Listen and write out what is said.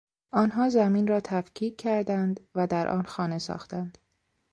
آنها زمین را تفکیک کردند و در آن خانه ساختند.